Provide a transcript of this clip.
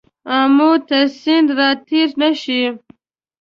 آمو تر سیند را تېر نه شې.